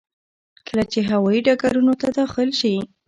کله چې هوايي ډګرونو ته داخل شي.